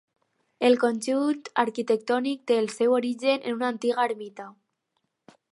El conjunt arquitectònic té el seu origen en una antiga ermita.